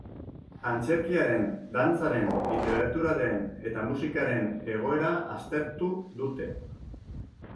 Antzerkiaren, dantzaren, literaturaren eta musikaren egoera aztertu dute.